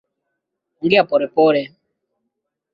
Ongea polepole.